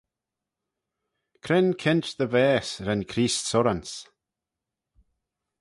Cre'n keint dy vaase ren Creest surranse?